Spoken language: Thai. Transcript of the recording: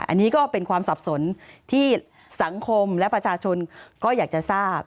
อันนี้ก็เป็นความสับสนที่สังคมและประชาชนก็อยากจะทราบ